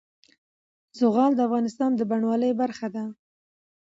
زغال د افغانستان د بڼوالۍ برخه ده.